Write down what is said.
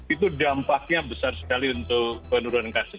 itu dampaknya besar sekali untuk penurunan kasus